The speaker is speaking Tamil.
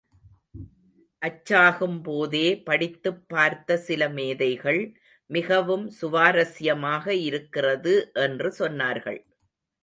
அச்சாகும்போதே படித்துப் பார்த்த சில மேதைகள், மிகவும் சுவாரஸ்யமாக இருக்கிறது என்று சொன்னார்கள்.